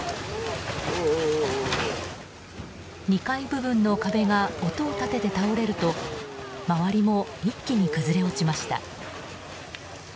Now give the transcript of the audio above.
２階部分の壁が音を立てて倒れると周りも一気に崩れ落ちました。